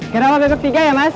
ke rawa bebek tiga ya mas